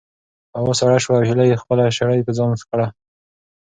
هوا سړه شوه او هیلې خپله شړۍ په ځان کړه.